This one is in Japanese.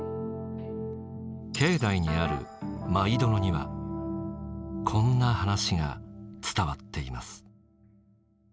境内にある舞殿にはこんな話が伝わっています。